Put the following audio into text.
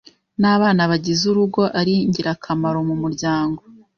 n’abana bagize urugo, ari ngirakamaro mu muryango